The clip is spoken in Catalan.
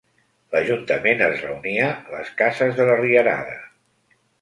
L'ajuntament es reunia les cases de la Rierada.